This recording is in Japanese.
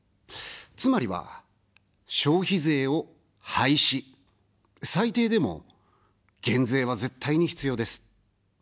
つまりは、消費税を廃止、最低でも減税は絶対に必要です。